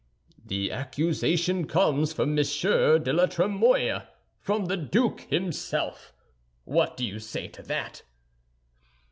"The accusation comes from Monsieur de la Trémouille, from the duke himself. What do you say to that?"